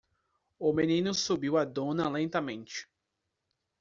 O menino subiu a duna lentamente.